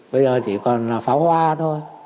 bây giờ chỉ còn là pháo hoa thôi